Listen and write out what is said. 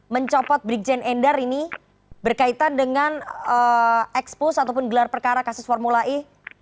mencopot brigjen endar ini berkaitan dengan ekspos ataupun gelar perkara kasus formula e